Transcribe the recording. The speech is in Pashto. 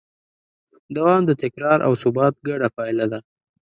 دوام د تکرار او ثبات ګډه پایله ده.